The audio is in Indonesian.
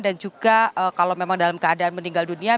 dan juga kalau memang dalam keadaan meninggal dunia